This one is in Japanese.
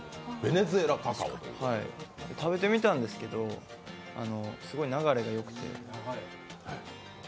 食べてみたんですけど、すごい流れがよくて。